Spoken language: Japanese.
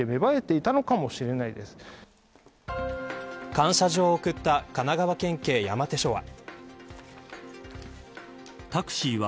感謝状を贈った神奈川県警山手署は。